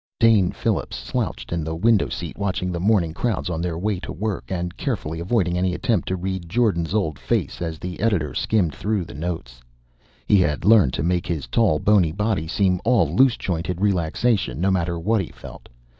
_ Dane Phillips slouched in the window seat, watching the morning crowds on their way to work and carefully avoiding any attempt to read Jordan's old face as the editor skimmed through the notes. He had learned to make his tall, bony body seem all loose jointed relaxation, no matter what he felt.